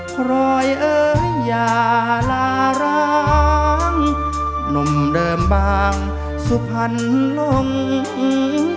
คลอยเอ๋ยาลาร้างนมเดิมบางสุพรรณลงของ